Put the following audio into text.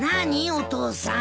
お父さん。